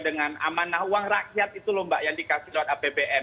dengan amanah uang rakyat itu lho mbak yang dikasih lewat apbn